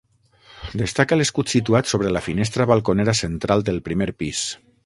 Destaca l'escut situat sobre la finestra balconera central del primer pis.